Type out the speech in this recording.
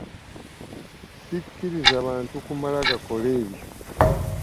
Ssikkiriza bantu kumala gakola ebyo.